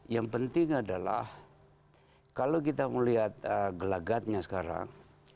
yang penting adalah kalau kita melihat gelagatnya sekarang